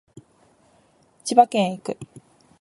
千葉県へ行く